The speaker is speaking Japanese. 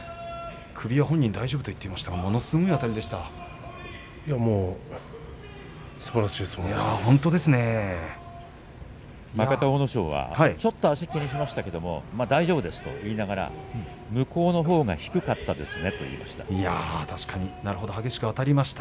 首は本人は大丈夫と言っていまいや、もう阿武咲はちょっと足を気にしていましたが大丈夫ですと言いながら向こうのほうが低かったですねと言いました。